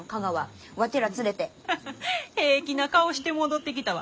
平気な顔して戻ってきたわ。